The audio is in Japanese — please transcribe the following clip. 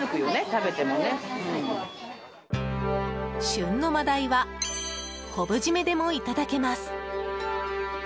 旬のマダイは昆布締めでもいただけます。